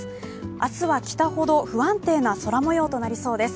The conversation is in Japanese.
明日は北ほど不安定な空もようとなりそうです。